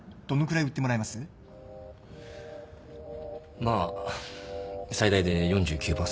まあ最大で４９％。